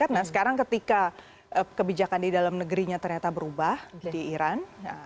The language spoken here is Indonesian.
karena sekarang ketika kebijakan di dalam negerinya ternyata berubah di iran